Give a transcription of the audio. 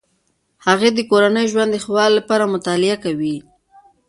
هغې د کورني ژوند د ښه والي لپاره مطالعه کوي.